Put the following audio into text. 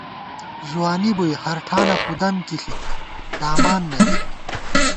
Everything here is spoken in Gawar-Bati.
ځوانی بُوئی ہر ٹھانہ پُدَم کی ݪِک ، دامان نہ دِک